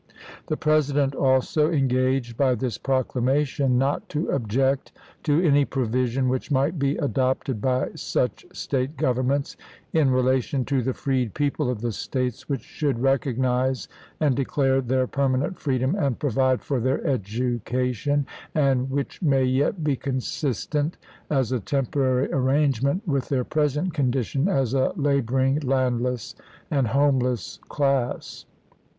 The President also engaged by this proclamation not to object to any provision which might be adopted by such State governments in relation to the freed people of the States which should rec ognize and declare their permanent freedom and provide for their education, " and which may yet be consistent, as a temporary arrangement, with their present condition as a laboring, landless, and homeless class."